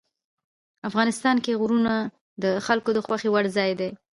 افغانستان کې غرونه د خلکو د خوښې وړ ځای دی.